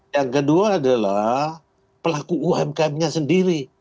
yang kedua adalah pelaku umkmnya sendiri